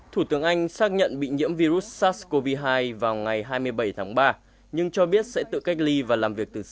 thủ tướng anh xác nhận bị nhiễm virus sars cov hai vào ngày hai mươi bảy tháng ba nhưng cho biết sẽ tự cách ly và làm việc từ xa